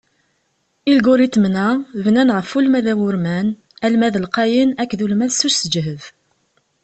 Ilguritmen-a, bnan ɣef ulmad awurman, Almad lqayen akked ulmad s useǧhed.